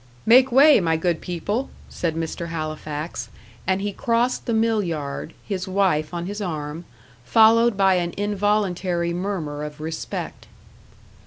"Make way, my good people," said Mr. Halifax; and he crossed the mill yard, his wife on his arm, followed by an involuntary murmur of respect.